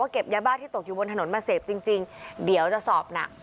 เก็บยาบ้าที่ตกอยู่บนถนนมาเสพจริงจริงเดี๋ยวจะสอบหนัก